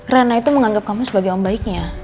rena itu menganggap kamu sebagai om baiknya